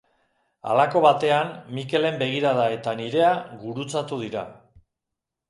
Halako batean Mikelen begirada eta nirea gurutzatu dira.